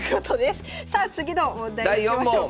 さあ次の問題いきましょうか。